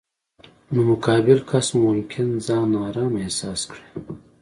نو مقابل کس مو ممکن ځان نا ارامه احساس کړي.